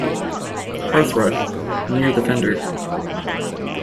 Hearthrug, near the fender.